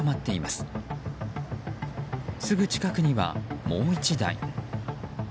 すぐ近くにはもう１台。